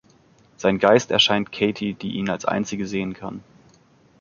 Sein Geist erscheint Katie, die ihn als Einzige sehen kann.